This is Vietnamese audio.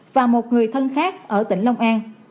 và một người thân khác ở tỉnh long an